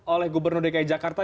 oleh gubernur dki jakarta